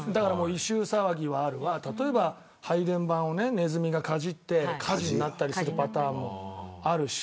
異臭騒ぎはあるわ、例えば配電盤をネズミがかじって火事になるパターンもあるし